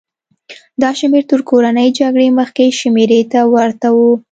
دا شمېر تر کورنۍ جګړې مخکې شمېرې ته ورته و.